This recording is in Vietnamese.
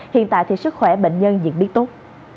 hiện tại thì sức khỏe bệnh nhân diễn biến tốt